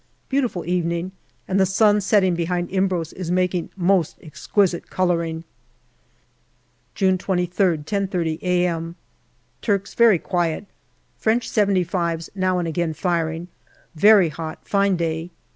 Beautiful evening, and the sun setting behind Imbros is making most exquisite colouring. June 23rd, 10.30 a.m. Turks very quiet. French " 75*5 " now and again firing. Very hot, fine day.